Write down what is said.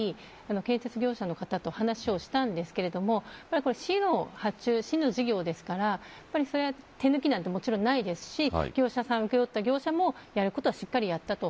建設業者の方と話をしたんですけど市の発注事業ですから手抜きなんてもちろんないですし、業者さん請負った業者さんもやることはしっかりやった。